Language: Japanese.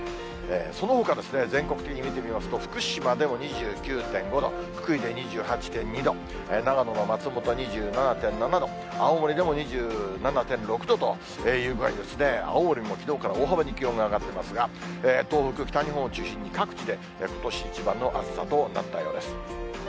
そのほか、全国的に見てみますと、福島でも２９．５度、福井で２８．２度、長野の松本は２７．７度、青森でも２７．６度という具合に青森もきのうから大幅に気温が上がっていますが、東北、北日本を中心に各地でことし一番の暑さとなったようです。